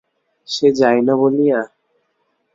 সে যায় না বলিয়া?